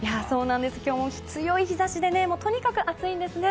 今日も強い日差しでとにかく暑いんですね。